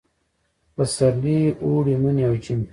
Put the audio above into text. پسرلي، اوړي، مني او ژمي